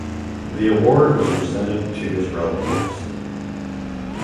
The award was presented to his relatives.